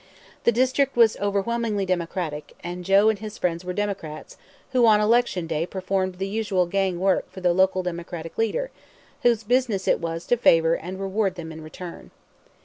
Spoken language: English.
The district was overwhelmingly Democratic, and Joe and his friends were Democrats who on election day performed the usual gang work for the local Democratic leader, whose business it was to favor and reward them in return.